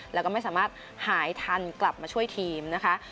แล้วก็ไม่สามารถหายทันกลับมาช่วยทีมนะคะ